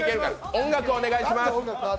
音楽お願いします！